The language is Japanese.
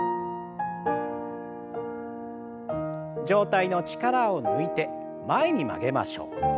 上体の力を抜いて前に曲げましょう。